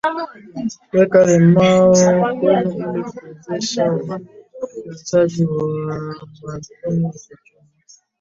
weka limao kwenye ili kuwezesha ufyonzwaji wa madini chuma